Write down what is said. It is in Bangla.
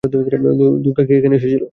দ্বোরকা কি এখানে এসেছিল?